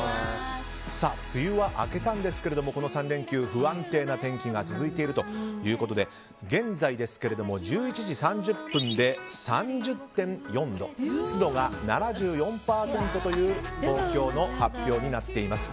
梅雨は明けたんですがこの３連休不安定な天気が続いているということで現在、１１時３０分で３０．４度湿度が７４％という東京の発表になっています。